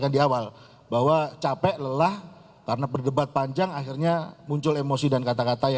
dirt seribu tujuh ratus lima belas berangkat